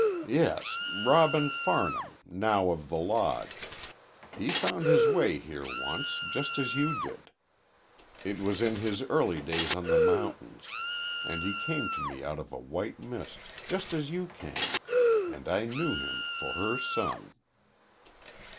"Yes, Robin Farnham, now of the Lodge. He found his way here once, just as you did. It was in his early days on the mountains, and he came to me out of a white mist, just as you came, and I knew him for her son."